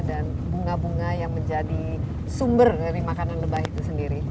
dan bunga bunga yang menjadi sumber dari makanan lebah itu sendiri